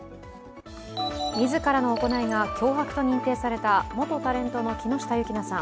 自らの行いが脅迫と認定された元タレントの木下優樹菜さん。